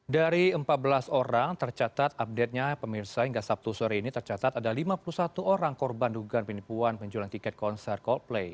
dari empat belas orang tercatat update nya pemirsa hingga sabtu sore ini tercatat ada lima puluh satu orang korban dugaan penipuan penjualan tiket konser coldplay